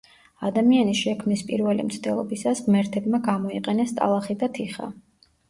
ადამიანის შექმნის პირველი მცდელობისას ღმერთებმა გამოიყენეს ტალახი და თიხა.